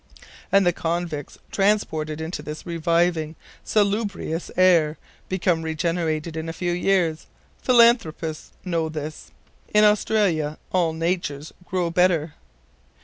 And the convicts transported into this reviving, salubrious air, become regenerated in a few years. Philanthropists know this. In Australia all natures grow better."